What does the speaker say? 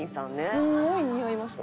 すごい似合いました。